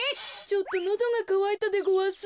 ちょっとのどがかわいたでごわす。